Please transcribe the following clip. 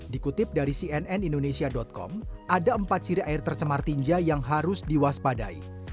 dikutip dari cnn indonesia com ada empat ciri air tercemar tinja yang harus diwaspadai